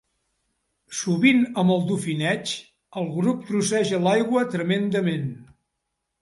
Sovint amb el dofineig, el grup trosseja l'aigua tremendament.